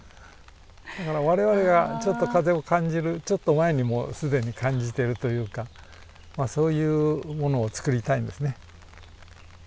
だから我々がちょっと風を感じるちょっと前にもう既に感じてるというかまあそういうものをつくりたいんですね。